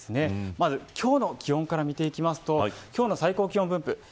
まず今日の気温から見ていきますと今日の最高気温分布です。